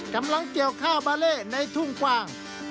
กำลังเกี่ยวข้าวบาเล่ในทุ่งกว้าง